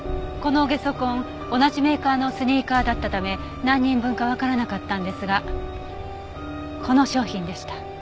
このゲソ痕同じメーカーのスニーカーだったため何人分かわからなかったんですがこの商品でした。